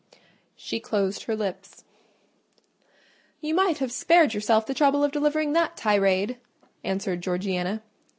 She closed her lips. "You might have spared yourself the trouble of delivering that tirade," answered Georgiana.